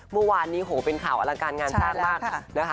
เมื่อวานนี้โหเป็นข่าวอลังการงานสร้างมากนะคะ